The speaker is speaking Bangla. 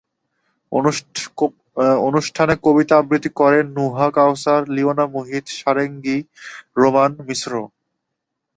অনুষ্ঠানে কবিতা আবৃত্তি করে নুহা কাওসার, লিওনা মুহিত, সারেঙ্গি রোমান মিশ্র।